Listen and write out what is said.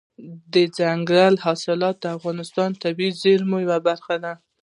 دځنګل حاصلات د افغانستان د طبیعي زیرمو یوه برخه ده.